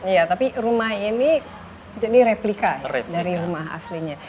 iya tapi rumah ini jadi replika dari rumah aslinya